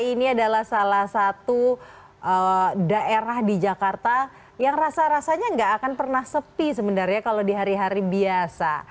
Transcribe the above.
ini adalah salah satu daerah di jakarta yang rasa rasanya nggak akan pernah sepi sebenarnya kalau di hari hari biasa